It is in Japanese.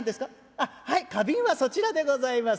あっはい花瓶はそちらでございます。